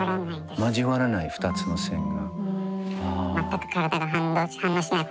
交わらない２つの線が。